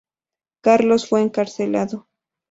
Carlos fue encarcelado.